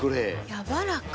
やわらか。